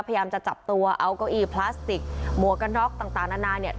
พยายามจะจับตัวอัลโกอีพลาสติกหมวกนอกต่างต่างนานานเนี่ย